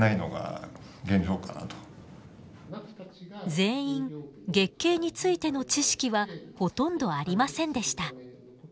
全員月経についての知識はほとんどありませんでした。